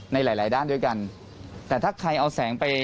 ในหลายหลายด้านด้วยกันแต่ถ้าใครเอาแสงไป